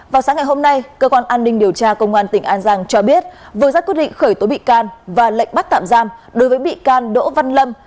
vào sáng ngày hôm nay cơ quan an ninh điều tra công an tỉnh an giang cho biết vừa ra quyết định khởi tố bị can và lệnh bắt tạm giam đối với bị can đỗ văn lâm